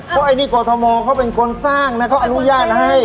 เพราะอันนี้กรทมเขาเป็นคนสร้างนะเขาอนุญาตให้